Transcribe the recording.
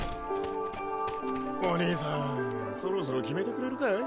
おにいさんそろそろ決めてくれるかい？